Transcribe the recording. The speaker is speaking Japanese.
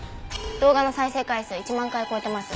動画の再生回数１万回を超えてます。